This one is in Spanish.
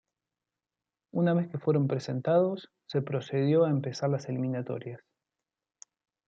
Una vez que fueron presentados, se procedió a empezar las eliminatorias.